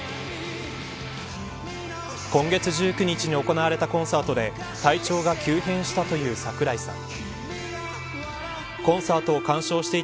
今月１９日に行われたコンサートで体調が急変したという櫻井さん。